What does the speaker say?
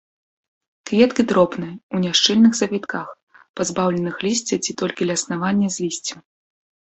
Кветкі дробныя, у няшчыльных завітках, пазбаўленых лісця ці толькі ля аснавання з лісцем.